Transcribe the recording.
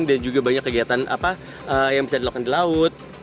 dan juga banyak kegiatan apa yang bisa dilakukan di laut